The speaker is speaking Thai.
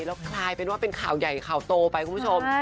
แล้วกลายเป็นว่าเป็นข่าวใหญ่ข่าวโตไปคุณผู้ชม